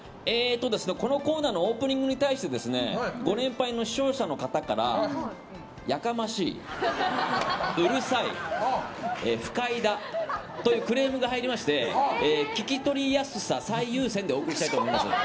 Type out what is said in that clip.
このコーナーのオープニングに対してご年配の視聴者の方からやかましいうるさい、不快だというクレームが入りまして聞き取りやすさを最優先でお送りしたいと思います。